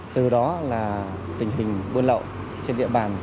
từ đó là tình hình buôn lậu trên địa bàn